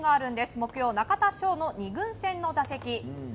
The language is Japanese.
木曜、中田翔の２軍戦の打席。